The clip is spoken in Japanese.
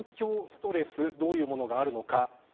ストレスどういうものがあるのか。